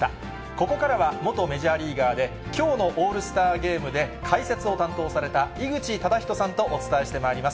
ここからは元メジャーリーガーで、きょうのオールスターゲームで解説を担当された井口資仁さんとお伝えしてまいります。